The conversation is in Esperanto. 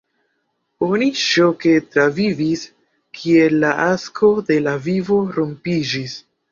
Oni ŝoke travivis kiel la akso de la vivo rompiĝis.